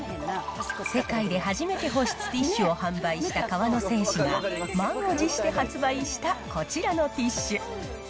世界で初めて保湿ティッシュを販売した河野製紙が、満を持して発売したこちらのティッシュ。